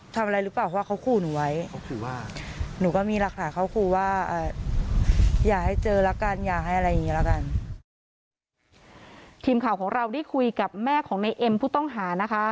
ทีมข่าวของเราได้คุยกับแม่ของในเอ็มผู้ต้องหานะคะ